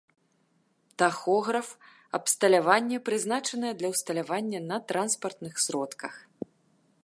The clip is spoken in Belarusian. Тахограф — абсталяванне, прызначанае для ўсталявання на транспартных сродках